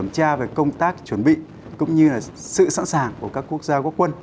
công tác chuẩn bị cũng như là sự sẵn sàng của các quốc gia quốc quân